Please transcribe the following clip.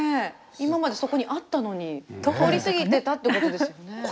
今までそこにあったのに通り過ぎてたってことですよね。